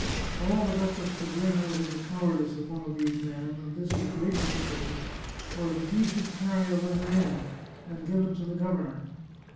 All the duchess could wring out of the cow ardice of one of these men, and this with great difficulty, was that he should carry a letter in, and give it to the governor.